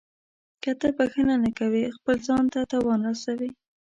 • که ته بښنه نه کوې، خپل ځان ته تاوان رسوې.